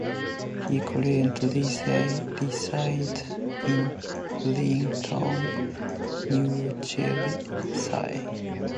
He currently resides in Princeton, New Jersey.